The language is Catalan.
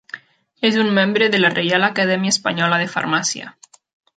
És un membre de la Reial Acadèmia Espanyola de Farmàcia.